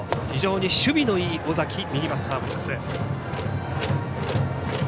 非常に守備のいい尾崎右バッターボックス。